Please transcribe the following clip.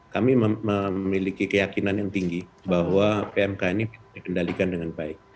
kami memiliki keyakinan yang tinggi bahwa pmk ini bisa dikendalikan dengan baik